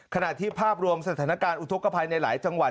ขณะที่ภาพรวมสถานการณ์อุทธกภัยในหลายจังหวัด